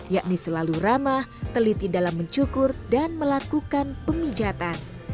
yakni selalu ramah teliti dalam mencukur dan melakukan pemijatan